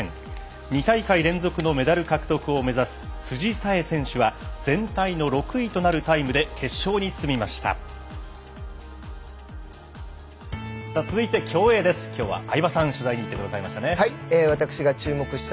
２大会連続のメダル獲得を目指す辻沙絵選手は全体の６位となるタイムで決勝に進みました。